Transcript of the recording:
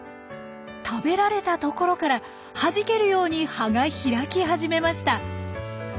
食べられたところからはじけるように葉が開き始めました！